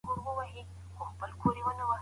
هغه د خپل تېر ژوند کیسې اورېدې.